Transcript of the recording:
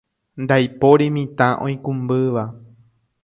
ndaipóri mitã oikũmbýva